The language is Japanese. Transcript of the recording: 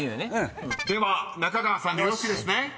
［では中川さんでよろしいですね］